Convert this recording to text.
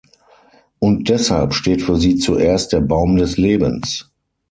Und deshalb steht für sie zuerst der Baum des Lebens.